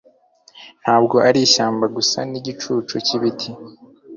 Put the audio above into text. ntabwo ari ishyamba gusa nigicucu cyibiti